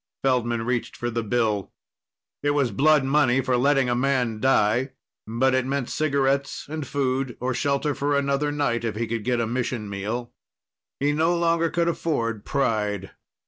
Feldman reached for the bill. It was blood money for letting a man die but it meant cigarettes and food or shelter for another night, if he could get a mission meal. He no longer could afford pride.